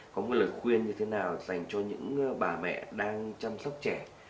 có một lời khuyên như thế nào dành cho những bà mẹ đang chăm sóc trẻ